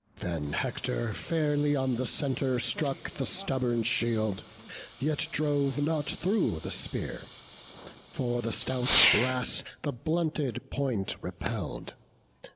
Then Hector fairly on the centre struck The stubborn shield; yet drove not through the spear; For the stout brass the blunted point repell'd.